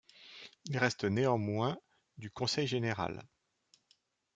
Il reste néanmoins du Conseil Général.